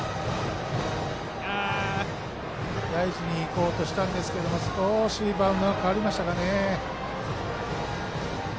大事にいこうとしたんですけど少しバウンドが変わりましたかね。